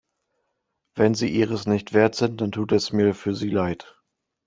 Wenn Sie Ihres nicht wert sind, dann tut es mir für Sie leid.